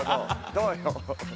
どうよ？